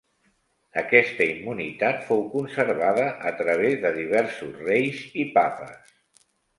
Aquesta immunitat fou conservada a través de diversos reis i papes.